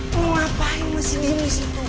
lo ngapain masih diam disitu